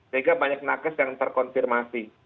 sehingga banyak nakes yang terkonfirmasi